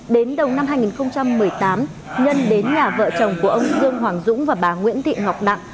đến đầu năm hai nghìn một mươi tám nhân đến nhà vợ chồng của ông dương hoàng dũng và bà nguyễn thị ngọc nặng